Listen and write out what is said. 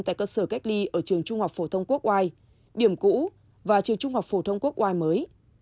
tại cơ sở cách ly ở trường trung học phổ thông quốc oai điểm cũ và trường trung học phổ thông quốc oai mới